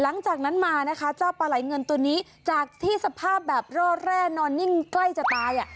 หลังจากนั้นมานะคะเจ้าปลาไหลเงินตัวนี้จากที่สภาพแบบรอดแร่นอนนิ่งใกล้จะตายอ่ะ